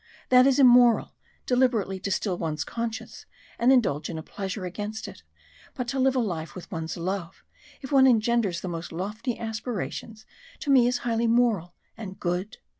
That is immoral deliberately to still one's conscience and indulge in a pleasure against it. But to live a life with one's love, if it engenders the most lofty aspirations, to me is highly moral and good.